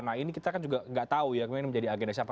nah ini kita kan juga nggak tahu ya kemudian menjadi agenda siapa